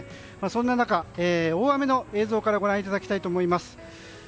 そんな中、大雨の映像からご覧いただきたいと思います。